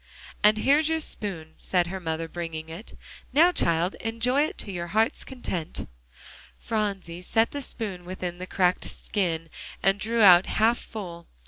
"And here's your spoon," said her mother, bringing it. "Now, child, enjoy it to your heart's content." Phronsie set the spoon within the cracked skin, and drew it out half full.